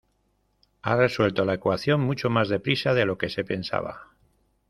Ha resuelto la ecuación mucho más deprisa de lo que se pensaba.